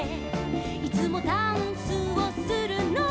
「いつもダンスをするのは」